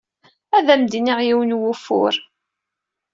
Ad am-d-iniɣ yiwen n wufur.